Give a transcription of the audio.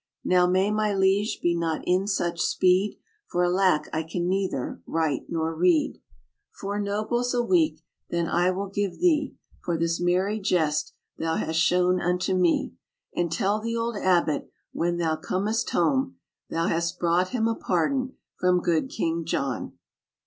: "Now nay, my liege, be not in such speed, Por alack I can neither write nor read." RAINBOW GOLD "Four nobles a week, then, I will give thee, For this merry jest thou hast shown unto me; And tell the old abbot when thou comest home, Thou hast brought him a pardon from good King John."